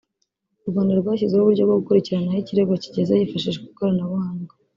u Rwanda rwashyizeho uburyo bwo gukurikirana aho ikirego kigeze hifashishijwe ikoranabuhanga